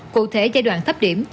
cụ thể giai đoạn thấp điểm